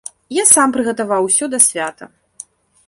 Я сам прыгатаваў усё да свята.